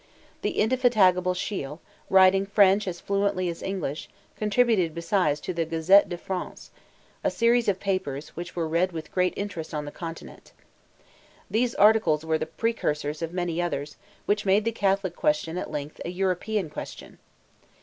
The indefatigable Shiel, writing French as fluently as English, contributed besides to the Gazette de France a series of papers, which were read with great interest on the Continent. These articles were the precursors of many others, which made the Catholic question at length an European question.